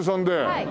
はい。